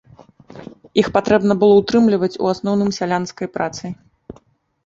Іх патрэбна было ўтрымліваць у асноўным сялянскай працай.